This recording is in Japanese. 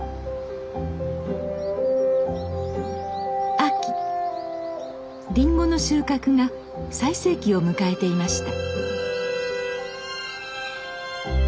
秋りんごの収穫が最盛期を迎えていました。